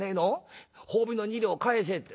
褒美の二両返せって」。